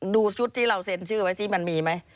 ดูชุดที่เราเซ็นชื่อไว้สิมันมีไหม